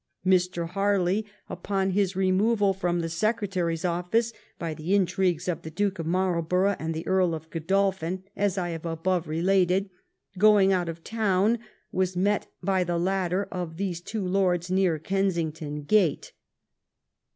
Mr. Harley, upon his removal from the secretary's office^ by the intrigues of the Duke of Marlborough and the Earl of Godolphin, as I have above related, going out of town, was met by the latter of these two Lords near Ken sington Gate.